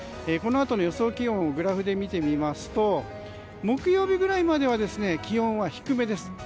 このあとの予想気温をグラフで見てみますと木曜日ぐらいまでは気温、低めです。